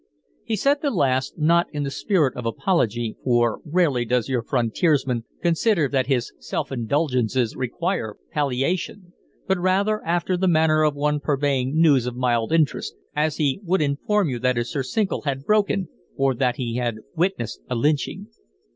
He said the last, not in the spirit of apology, for rarely does your frontiersman consider that his self indulgences require palliation, but rather after the manner of one purveying news of mild interest, as he would inform you that his surcingle had broken or that he had witnessed a lynching.